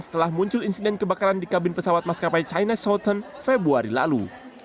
setelah muncul insiden kebakaran di kabin pesawat maskapai china southern februari lalu